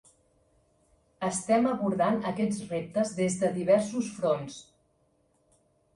Estem abordant aquests reptes des de diversos fronts.